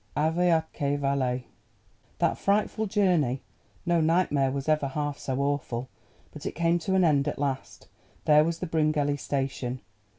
AVE ATQUE VALE That frightful journey—no nightmare was ever half so awful! But it came to an end at last—there was the Bryngelly Station.